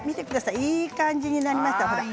いい感じになりました。